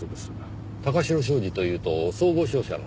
貴城商事というと総合商社の？